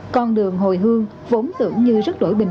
con đường hồi hương vốn tưởng như rất đổi bình